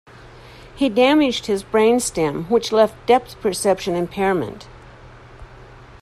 He damaged his brain stem, which left depth perception impairment.